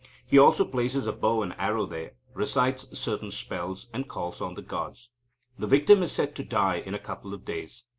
He also places a bow and arrow there, recites certain spells, and calls on the gods. The victim is said to die in a couple of days.